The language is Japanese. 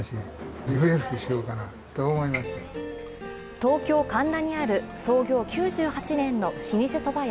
東京・神田にある創業９８年の老舗そば屋